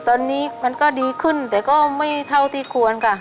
ตอนนี้มันก็ดีขึ้นแต่ก็ไม่เท่าที่ควรค่ะ